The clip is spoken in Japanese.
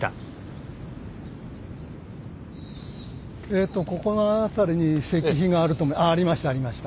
えとここの辺りに石碑があるとありましたありました。